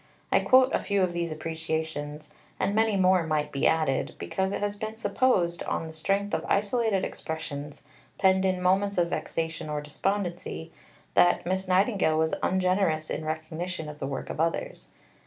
I quote a few of these appreciations (and many more might be added), because it has been supposed, on the strength of isolated expressions penned in moments of vexation or despondency, that Miss Nightingale was ungenerous in recognition of the work of others.